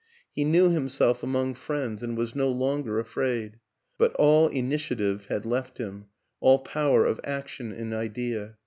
He knew himself among friends and was no longer afraid; but all initiative had left him, all power of action and idea.